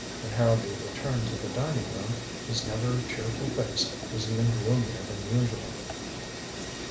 When Harrowby returned to the dining room, his never cheerful face was even gloomier than usual.